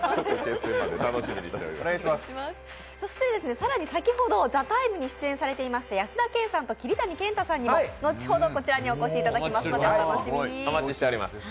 更に、先ほど「ＴＨＥＴＩＭＥ，」に出演されていました安田顕さんと桐谷健太さんにも後ほどこちらに来ていただきますので、お楽しみに。